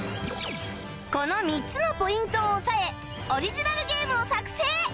この３つのポイントを押さえオリジナルゲームを作成！